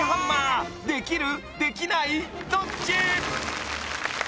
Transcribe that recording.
どっち？